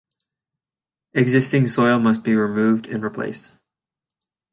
Existing soil must be removed and replaced.